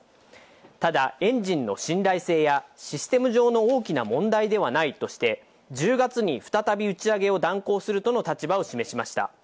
ただ、エンジンの信頼性やシステム上の大きな問題ではないとして、１０月に再び、打ち上げを断行するとの立場を示しました。